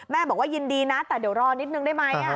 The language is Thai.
บอกว่ายินดีนะแต่เดี๋ยวรอนิดนึงได้ไหม